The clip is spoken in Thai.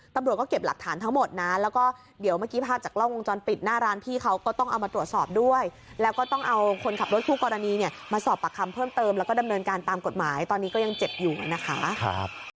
ตำรวจก็เก็บหลักฐานทั้งหมดนะแล้วก็เดี๋ยวเมื่อกี้ภาพจากกล้องวงจรปิดหน้าร้านพี่เขาก็ต้องเอามาตรวจสอบด้วยแล้วก็ต้องเอาคนขับรถคู่กรณีเนี่ยมาสอบปากคำเพิ่มเติมแล้วก็ดำเนินการตามกฎหมายตอนนี้ก็ยังเจ็บอยู่นะคะ